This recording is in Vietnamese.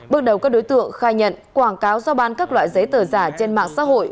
bước đầu các đối tượng khai nhận quảng cáo giao bán các loại giấy tờ giả trên mạng xã hội